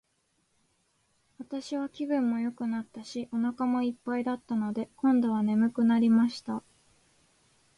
私は気分もよくなったし、お腹も一ぱいだったので、今度は睡くなりました。